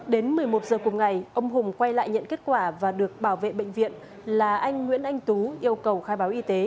đến một mươi một giờ cùng ngày ông hùng quay lại nhận kết quả và được bảo vệ bệnh viện là anh nguyễn anh tú yêu cầu khai báo y tế